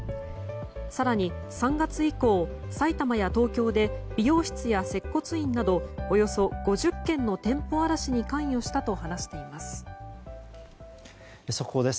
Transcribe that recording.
更に３月以降、埼玉や東京で美容室や接骨院などおよそ５０件の店舗荒らしに関与したと話しています。